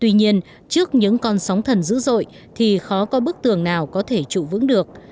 tuy nhiên trước những con sóng thần dữ dội thì khó có bức tường nào có thể trụ vững được